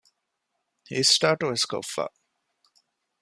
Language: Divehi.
އިސްޓާޓުވެސް ކޮށްފަ